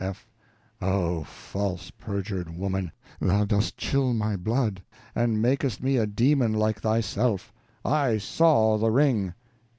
F. Oh, false, perjured woman, thou didst chill my blood, and makest me a demon like thyself. I saw the ring.